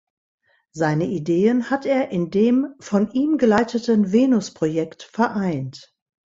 Seine Ideen hat er in dem von ihm geleiteten "Venus-Projekt" vereint.